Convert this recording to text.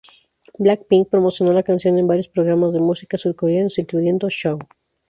Black Pink promocionó la canción en varios programas de música surcoreanos, incluyendo "Show!